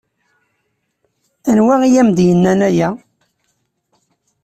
Anwa i am-d-yennan aya?